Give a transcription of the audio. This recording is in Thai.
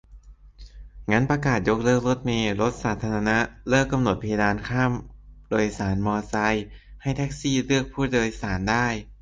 งั้นประกาศยกเลิกรถเมล์ รถสาธารณะ เลิกกำหนดเพดานค่าโดยสารมอไซค์ ให้แท็กซี่เลือกผู้โดยสารได้